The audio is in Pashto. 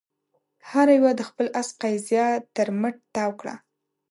هر يوه د خپل آس قيضه تر مټ تاو کړه.